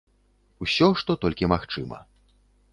Усё, што толькі магчыма.